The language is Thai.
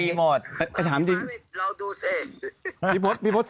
ที่เป็นอย่างงี้พี่พ้า